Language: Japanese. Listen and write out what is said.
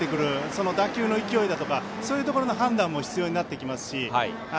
その打球の勢いとかそういうところの判断も必要になりますし